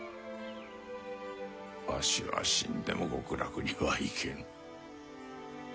わしは死んでも極楽には行けぬ。